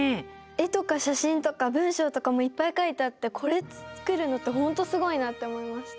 絵とか写真とか文章とかもいっぱい書いてあってこれ作るのって本当すごいなって思いました。